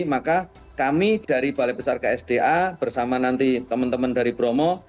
maka kami dari balai besar ksda bersama nanti teman teman dari bromo